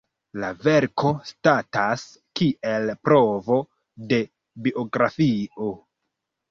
La verko statas kiel provo de biografio.